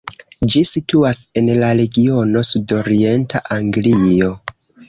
Ĝi situas en la regiono sudorienta Anglio.